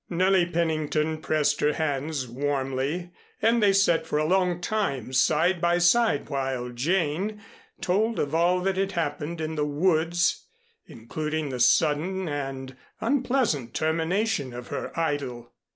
Nellie Pennington pressed her hands warmly, and they sat for a long time side by side while Jane told of all that had happened in the woods, including the sudden and unpleasant termination of her idyl.